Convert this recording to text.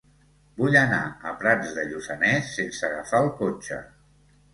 Vull anar a Prats de Lluçanès sense agafar el cotxe.